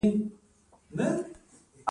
د ونو تنې سپینول د یخنۍ مخه نیسي؟